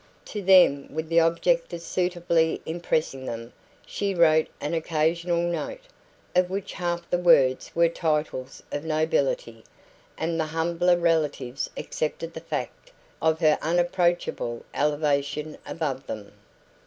To them with the object of suitably impressing them she wrote an occasional note, of which half the words were titles of nobility; and the humbler relatives accepted the fact of her unapproachable elevation above them.